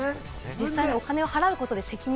実際にお金を払うことで責任